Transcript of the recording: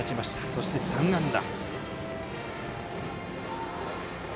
そして、３安打。